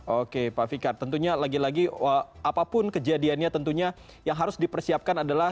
oke pak fikar tentunya lagi lagi apapun kejadiannya tentunya yang harus dipersiapkan adalah